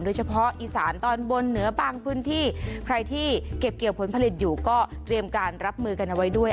โดยเฉพาะอีสานตอนบนเหนือบางพื้นที่ใครที่เก็บเกี่ยวผลผลิตอยู่ก็เตรียมการรับมือกันเอาไว้ด้วย